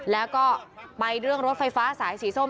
แล้วก็ไปเรื่องรถไฟฟ้าสายสีส้ม